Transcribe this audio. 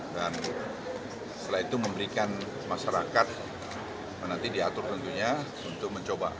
setelah itu memberikan masyarakat nanti diatur tentunya untuk mencoba